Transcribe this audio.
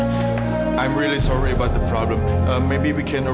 saya sangat bersalah tentang masalah